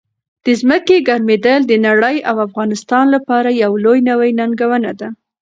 د ځمکې ګرمېدل د نړۍ او افغانستان لپاره یو لوی نوي ننګونه ده.